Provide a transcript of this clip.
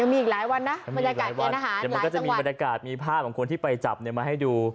มันจะมีบรรยากาศมีภาพของคนที่ไปจับมาให้ดู